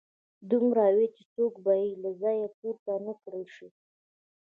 دومره وي چې څوک به يې له ځايه پورته نه کړای شي.